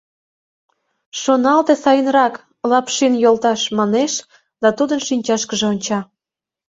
Шоналте сайынрак, Лапшин йолташ! — манеш да тудын шинчашкыже онча.